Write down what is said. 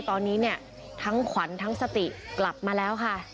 ตอนนี้เนี่ยทั้งขวัญทั้งสติกลับมาแล้วค่ะ